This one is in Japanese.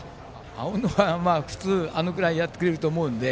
青野は、普通にあのくらいやってくれると思うので。